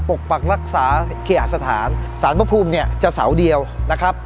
ปกปักรักษาเคหสถานสารพระภูมิเนี่ยจะเสาเดียวนะครับ